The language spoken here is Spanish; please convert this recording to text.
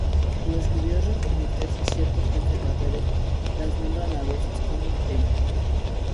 Los judíos reformistas y ciertos conservadores las nombran a veces como 'templo'.